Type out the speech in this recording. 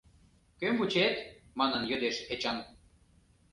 Кӧм вучет? — манын йодеш Эчан.